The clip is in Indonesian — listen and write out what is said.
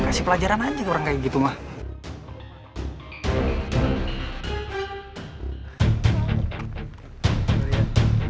kasih pelajaran aja tuh orang kayak gitu mah